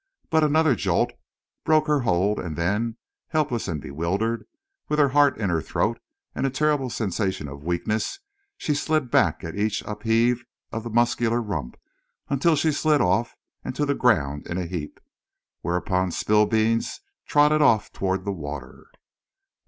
But another jolt broke her hold, and then, helpless and bewildered, with her heart in her throat and a terrible sensation of weakness, she slid back at each upheave of the muscular rump until she slid off and to the ground in a heap. Whereupon Spillbeans trotted off toward the water.